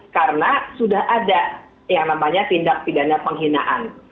karena sudah ada yang namanya tindak pidana penghinaan